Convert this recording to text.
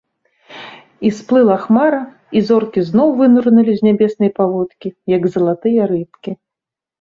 І сплыла хмара, і зоркі зноў вынырнулі з нябеснай паводкі, як залатыя рыбкі.